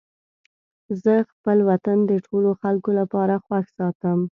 زه خپل وطن د ټولو خلکو لپاره خوښ ساتم.